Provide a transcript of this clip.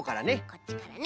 こっちからね。